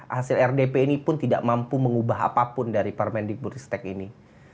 hasil rdp ini pun tidak mampu mengubah apapun dari permendikbud ristek ini